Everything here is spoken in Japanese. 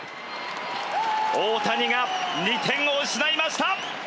大谷が２点を失いました。